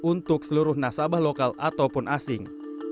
dan juga untuk seluruh nasabah lokal ataupun asing